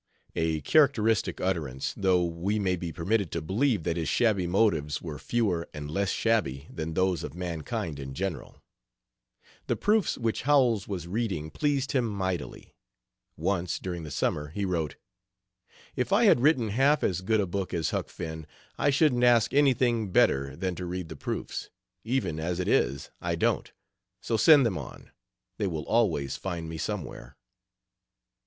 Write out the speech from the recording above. A characteristic utterance, though we may be permitted to believe that his shabby motives were fewer and less shabby than those of mankind in general. The proofs which Howells was reading pleased him mightily. Once, during the summer, he wrote: "if I had written half as good a book as Huck Finn I shouldn't ask anything better than to read the proofs; even as it is, I don't, so send them on; they will always find me somewhere."